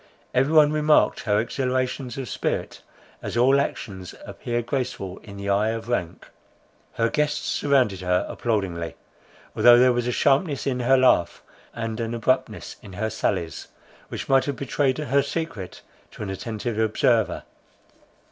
Every one remarked her exhilaration of spirits; as all actions appear graceful in the eye of rank, her guests surrounded her applaudingly, although there was a sharpness in her laugh, and an abruptness in her sallies, which might have betrayed her secret to an attentive observer.